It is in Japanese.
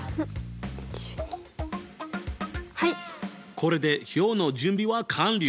これで表の準備は完了！